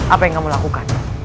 apa yang kamu lakukan